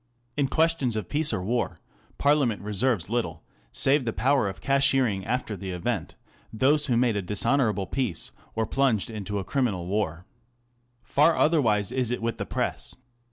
In questions of peace or war Parlia ment reserves little save the power of cashiering after the event those who have made a dishonourable peace or plunged into a criminal war. Far otherwise is it with the Press.